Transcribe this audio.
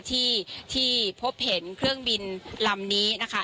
ที่พบเห็นเครื่องบินลำนี้นะคะ